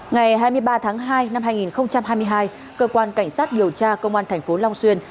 ngày hai mươi ba tháng hai năm hai nghìn hai mươi hai cơ quan cảnh sát điều tra công an thành phố long xuyên